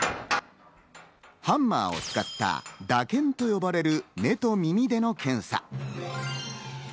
ハンマーを使った打検と呼ばれる目と耳での検査。